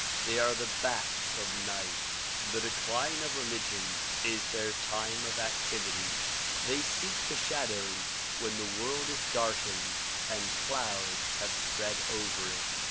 They are the bats of night. The decline of religion is their time of activity; they seek the shadows when the world is darkened and clouds have spread over it.